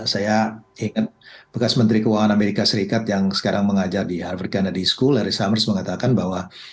saya ingat bekas menteri keuangan amerika serikat yang sekarang mengajar di harvard kennedy school larry summers mengatakan bahwa